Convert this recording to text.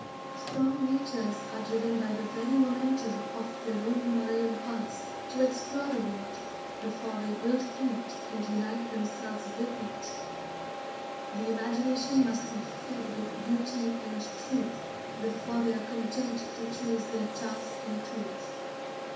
Strong natures are driven by the Very momentum of their own moral impulse to explore the world before they build in it and unite themselves with it; the imagination must be fed with beauty and truth before they are content to choose their task and tools.